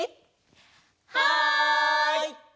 はい！